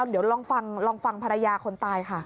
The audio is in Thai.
เดี๋ยวลองฟังภรรยาคนตายค่ะ